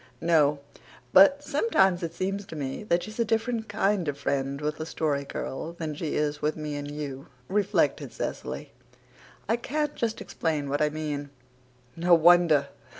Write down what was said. "No, but sometimes it seems to me that she's a different kind of friend with the Story Girl than she is with me and you," reflected Cecily. "I can't just explain what I mean." "No wonder.